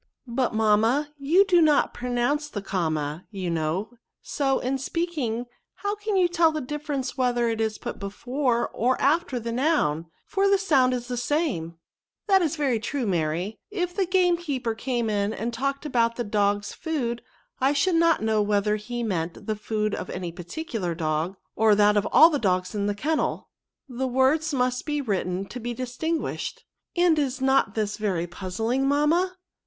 " But, mamma, you do not pronounce the comma, you know ; so, in speaking, how can you tell the difference whether it is put before or after the noun, for the sound is the same ?"" That is very true, Mary ; if the game keeper came in and talked about the dogs food, I should not know whether he meant the food of any particular dog, or that of all the dogs in the kennel ; the words must be written to be distinguished." " And is not this very puzzling, mamma